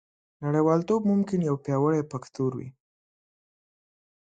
نړیوالتوب ممکن یو پیاوړی فکتور وي